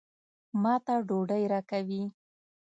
ما ته ډوډۍ راکوي.